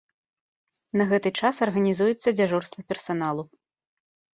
На гэты час арганізуецца дзяжурства персаналу.